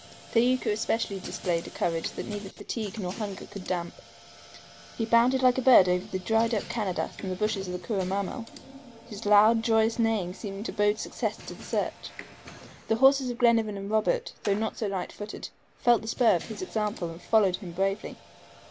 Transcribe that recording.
Thaouka especially displayed a courage that neither fatigue nor hunger could damp. He bounded like a bird over the dried up CANADAS and the bushes of CURRA MAMMEL, his loud, joyous neighing seeming to bode success to the search. The horses of Glenarvan and Robert, though not so light footed, felt the spur of his example, and followed him bravely.